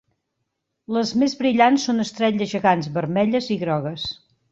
Les més brillants són estrelles gegants vermelles i grogues.